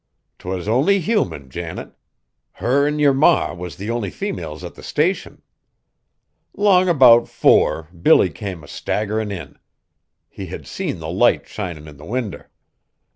"'T was only human, Janet, her an' yer ma was the only females at the Station. 'Long 'bout four, Billy came a staggerin' in. He had seen the light shinin' in the winder.